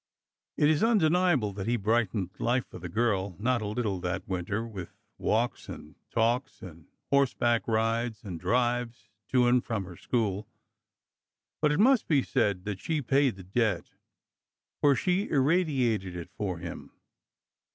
It is undeniable that he brightened life for the girl not a little that winter, with walks and talks, and horseback rides and drives to and from her school. But it must be said that she paid the debt, for she irradiated it for him.